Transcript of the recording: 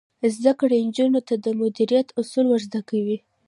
زده کړه نجونو ته د مدیریت اصول ور زده کوي.